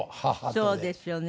そうですよね。